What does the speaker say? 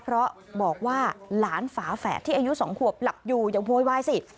เพราะบอกว่าหลานฝาแฝดที่อายุ๒ขวบหลับอยู่อย่าโวยวายสิ